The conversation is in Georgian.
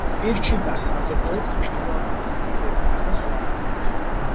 პირჩიტა საზრდოობს მყინვარული ნაკადებითა და ზვავებით.